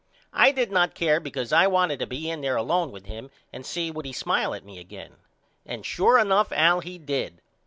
I did not care because I wanted to be in there alone with him and see would he smile at me again. And sure enough Al he did.